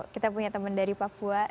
kita punya teman dari papua